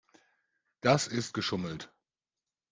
Das ist geschummelt.